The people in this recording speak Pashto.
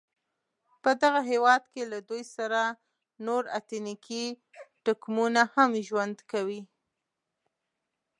په دغه هېواد کې له دوی سره نور اتنیکي توکمونه هم ژوند کوي.